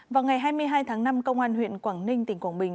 vào ngày hai mươi hai tháng năm công an huyện quảng ninh tỉnh quảng bình